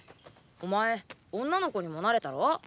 お前女の子にもなれたろ。